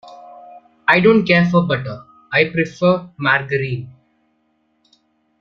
I don’t care for butter; I prefer margarine.